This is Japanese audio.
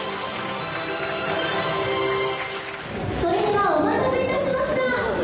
それではお待たせいたしました。